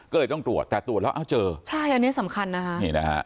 ก็เลยต้องตรวจแต่ตรวจแล้วเอ้าเจอใช่อันนี้สำคัญนะคะนี่นะฮะ